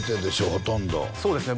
ほとんどそうですね